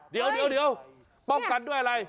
เดี๋ยวป้องกันด้วยอะไร